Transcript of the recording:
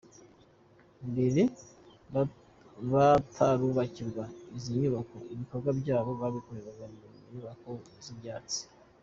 Mbere batarubakirwa izi nyubako, ibikorwa byabo babikoreraga mu nyubako z’ibyatsi.